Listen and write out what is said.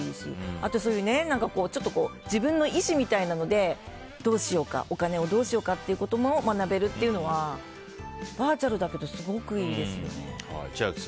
あとは自分の意思みたいなものでお金をどうしようかということも学べるというのはバーチャルだけどすごくいいですよね。